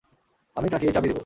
আমি তাকে এই চাবি দেব!